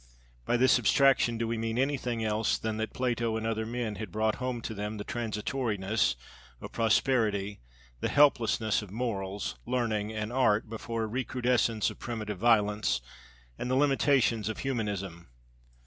By this abstraction do we mean anything else than that Plato and other men had brought home to them the transitoriness of prosperity, the helplessness of morals, learning, and art before a recrudescence of primitive violence, and the limitations of humanism?